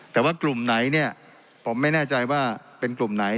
แต่ว่ากลุ่มไหนเนี่ยผมไม่แน่ใจว่าเป็นกลุ่มไหน